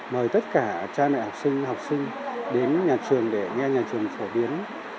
mời tất cả cha mẹ học sinh học sinh đến nhà trường để nghe nhà trường phổ biến